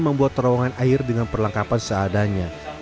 membuat terowongan air dengan perlengkapan seadanya